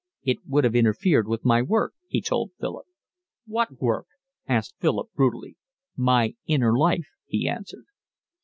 "It would have interfered with my work," he told Philip. "What work?" asked Philip brutally. "My inner life," he answered.